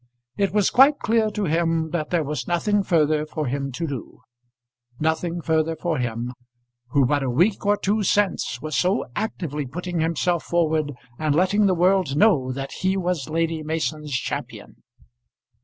It was quite clear to him that there was nothing further for him to do; nothing further for him, who but a week or two since was so actively putting himself forward and letting the world know that he was Lady Mason's champion.